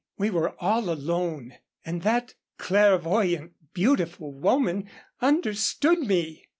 We were all alone, and that clairvoyante, beautiful woman understood me.